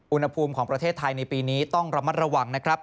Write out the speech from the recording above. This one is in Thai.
อุณหภูมิของประเทศไทยในปีนี้ต้องระมัดระวังนะครับ